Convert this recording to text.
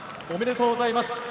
おめでとうございます。